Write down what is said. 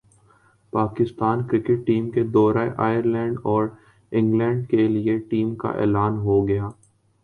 Pakistan cricket team کے دورہ Ireland اور انگلینڈ کیلئے ٹیم کا اعلان ہو گیا